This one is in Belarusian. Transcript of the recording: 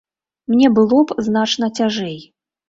Мне было б значна цяжэй.